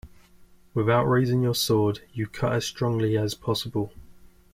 Without raising your sword, you cut as strongly as possible.